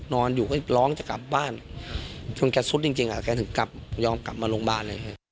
นอนอยู่คือร้องกำลังจะกับบ้าน